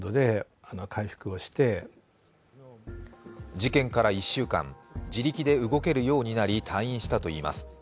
事件から１週間、自力で動けるようになり退院したといいます。